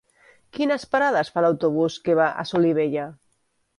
Quines parades fa l'autobús que va a Solivella?